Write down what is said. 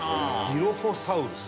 ディロフォサウルス。